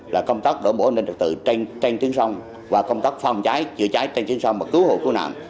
là công tác đảm bảo an toàn trên sông và công tác phòng cháy dưới cháy trên sông và cứu hồ cứu nạn